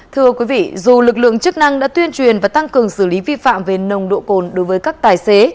thưa quý vị dù lực lượng chức năng đã tuyên truyền và tăng cường xử lý vi phạm về nồng độ cồn đối với các tài xế